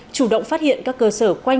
chủ động phát hiện các cơ sở quanh